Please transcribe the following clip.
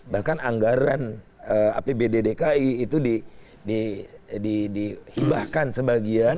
bahkan anggaran apbd dki itu dihibahkan sebagian